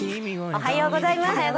おはようございます。